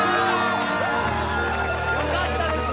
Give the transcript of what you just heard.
よかったです